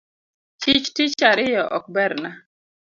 Chich tich ariyo ok berna